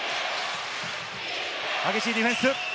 激しいディフェンス。